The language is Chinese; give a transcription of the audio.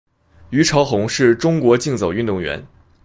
虞朝鸿是中国竞走运动员。